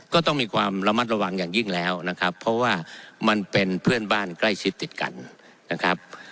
ก็ต้องมีความระมัดระวังอย่างยิ่งแล้วนะครับเพราะว่ามันเป็นเพื่อนบ้านใกล้ชิดติดกันนะครับ